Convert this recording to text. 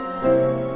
ya kesena bukti